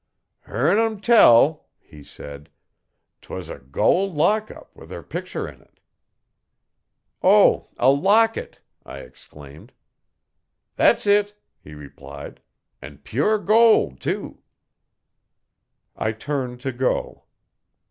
'Hear'n 'em tell,' he said,' 'twas a gol' lockup, with 'er pictur' in it.' 'Oh, a locket!' I exclaimed. 'That's it,' he replied, 'an' pure gol', too.' I turned to go.